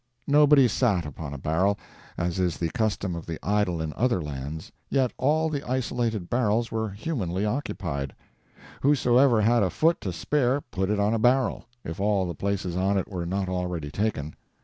Nobody sat upon a barrel, as is the custom of the idle in other lands, yet all the isolated barrels were humanly occupied. Whosoever had a foot to spare put it on a barrel, if all the places on it were not already taken.